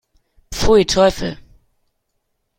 Pfui, Teufel!